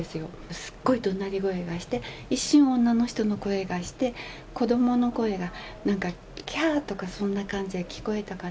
すっごいどなり声がして、一瞬、女の人の声がして、子どもの声がなんか、きゃーとかそんな感じで聞こえたから。